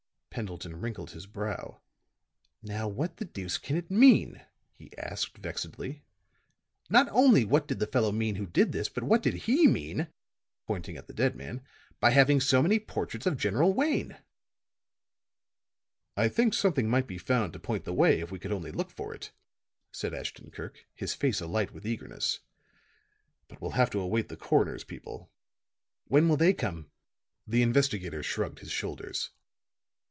Pendleton wrinkled his brow. "Now what the deuce can it mean," he asked, vexedly. "Not only what did the fellow mean who did this, but what did he mean," pointing at the dead man, "by having so many portraits of General Wayne?" "I think something might be found to point the way if we could only look for it," said Ashton Kirk, his face alight with eagerness. "But we'll have to await the coroner's people." "When will they come?" The investigator shrugged his shoulders.